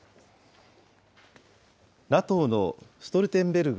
ＮＡＴＯのストルテンベルグ